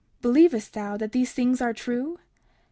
Believest thou that these things are true?